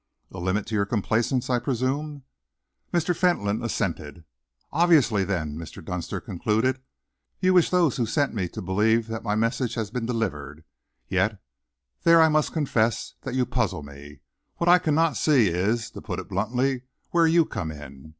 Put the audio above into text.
"A limit to your complacence, I presume?" Mr. Fentolin assented. "Obviously, then," Mr. Dunster concluded, "you wish those who sent me to believe that my message has been delivered. Yet there I must confess that you puzzle me. What I cannot see is, to put it bluntly, where you come in.